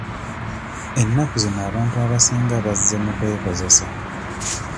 Ennaku zino abantu abasinga bazze mu kwekozesa.